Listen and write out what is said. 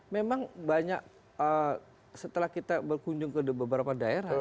memang banyak setelah kita berkunjung ke beberapa daerah